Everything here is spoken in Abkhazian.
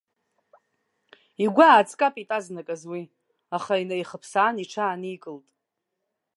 Игәы ааҵкапит азныказы уи, аха инаихԥсаан, иҽааникылт.